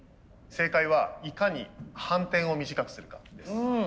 正解はいかに反転を短くするかです。